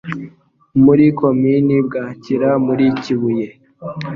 muri Komini Bwakira muri Kibuye